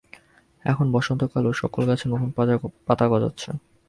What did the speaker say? এখন বসন্তকাল এবং সকল গাছের নতুন পাতা গজাচ্ছে।